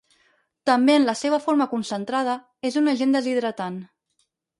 També, en la seva forma concentrada, és un agent deshidratant.